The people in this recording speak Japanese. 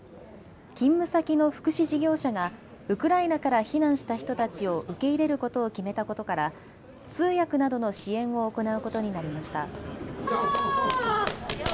勤務先の福祉事業者がウクライナから避難した人たちを受け入れることを決めたことから通訳などの支援を行うことになりました。